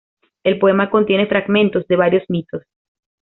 El poema contiene fragmentos de varios mitos.